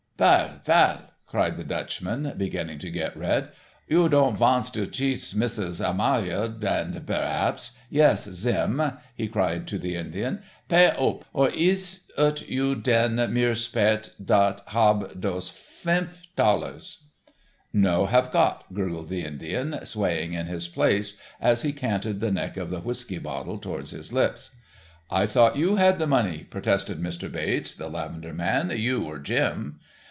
"Vail, vail," cried the Dutchman, beginning to get red. "You doand vants to cheats Missus Amaloa, den berhaps—yes, Zhim," he cried to the Indian, "pay oop, or ees ut you den, Meest'r Paites, dat hab dose finf thalers?" "No have got," gurgled the Indian, swaying in his place as he canted the neck of the whiskey bottle towards his lips. "I thought you had the money," protested Mr. Bates, the lavender man, "you or Jim."